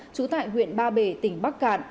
trú tại huyện ba bể tỉnh bắc cạn